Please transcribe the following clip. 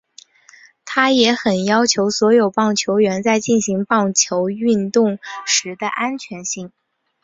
他也很要求所有棒球员在进行棒球运动时的安全性。